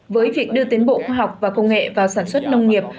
với việc đưa tiến bộ khoa học và công nghệ vào sản xuất nông nghiệp